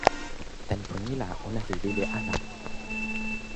tenpo ni la ona li lili ala.